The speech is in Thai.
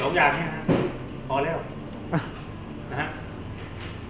สองอย่างเนี้ยฮะพอแล้วนะฮะ